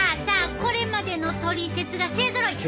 これまでのトリセツが勢ぞろい！